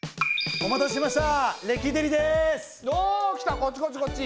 お待たせしました。